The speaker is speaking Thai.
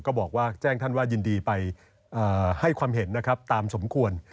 ก็แจ้งท่านว่ายินดีไปให้ความเห็นตามสมควร